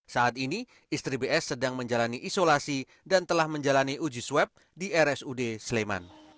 saat ini istri bs sedang menjalani isolasi dan telah menjalani uji swab di rsud sleman